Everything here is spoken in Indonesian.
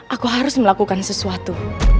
aku harus melakukan sesuatu